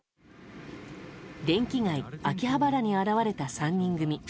電気街秋葉原に現れた３人組。